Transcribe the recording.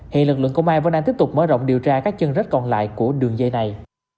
hiện lực lượng công an vẫn đang tiếp tục mở rộng điều tra các chân rết còn lại của đường dây này